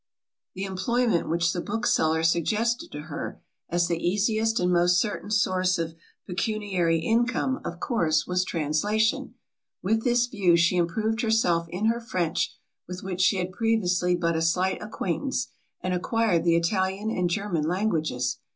The employment which the bookseller suggested to her, as the easiest and most certain source of pecuniary income, of course, was translation. With this view she improved herself in her French, with which she had previously but a slight acquaintance, and acquired the Italian and German languages.